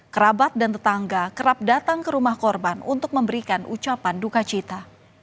kerabat dan tetangga kerap datang ke rumah korban untuk memberikan ucapan duka cita